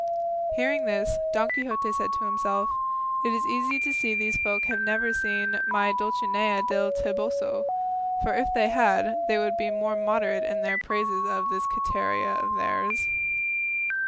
Hearing this, Don Quixote said to himself, "It is easy to see these folk have never seen my Dulcinea del Toboso; for if they had they would be more moderate in their praises of this Quiteria of theirs."